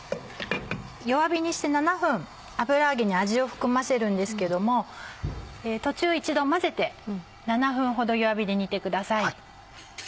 弱火にして７分油揚げに味を含ませるんですけども途中一度混ぜて７分ほど弱火で煮てください。